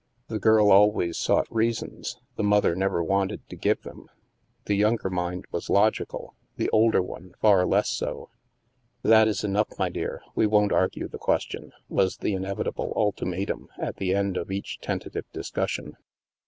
The girl always sought reasons, the mother never wanted to give them; the younger mind was logical, the older one far less so. " That is enough, my dear, we won't argue the question" was the inevitable ultimatum at the end of each tentative discussion.